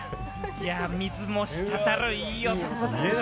いや、水も滴るいい男だね。